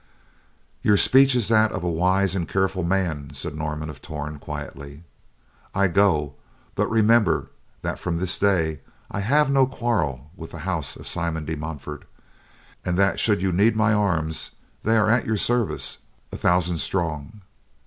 "Your speech is that of a wise and careful man," said Norman of Torn quietly. "I go, but remember that from this day, I have no quarrel with the House of Simon de Montfort, and that should you need my arms, they are at your service, a thousand strong.